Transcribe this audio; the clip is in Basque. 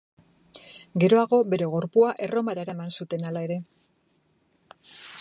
Geroago bere gorpua Erromara eraman zuten, hala ere.